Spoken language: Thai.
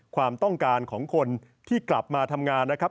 ความต้องการของคนที่กลับมาทำงานนะครับ